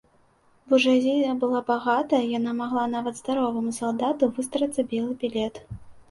Буржуазія была багатая, яна магла нават здароваму салдату выстарацца белы білет.